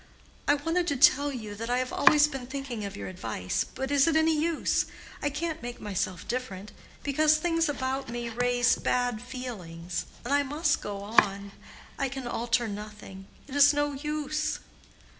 "I wanted to tell you that I have always been thinking of your advice, but is it any use?—I can't make myself different, because things about me raise bad feelings—and I must go on—I can alter nothing—it is no use."